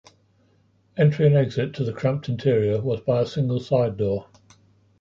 Entry and exit to the cramped interior was by a single side door.